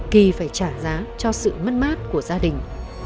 thì phải trả giá cho sự mất mát của gia đình